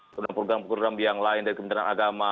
program program yang lain dari kementerian agama